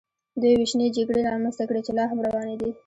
دې وېشنې جګړې رامنځته کړې چې لا هم روانې دي